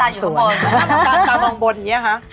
ลูกกระตาอยู่ข้างบนตามองบนอย่างงี้คะ